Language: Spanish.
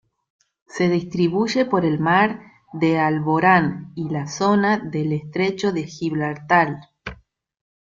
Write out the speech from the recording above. Se distribuye por el mar de Alborán y la zona del estrecho de Gibraltar.